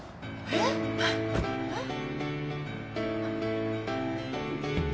えっ？えっ？